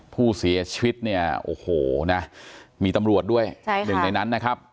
ผู้เสียชีวิตเนี่ยโอ้โหนะมีตำรวจด้วยหนึ่งในนั้นนะครับ